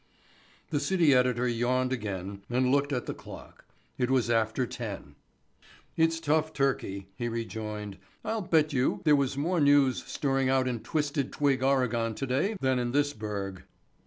The city editor yawned again and looked at the clock. It was after ten. "It's tough turkey," he rejoined. "I'll bet you there was more news stirring out in Twisted Twig, Oregon, today than in this burg."